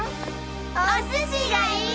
お寿司がいい！